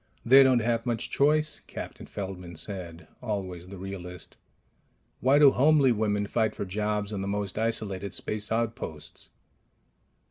"They don't have much choice," Captain Feldman said, always the realist. "Why do homely women fight for jobs on the most isolated space outposts?"